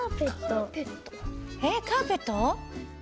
えっカーペット？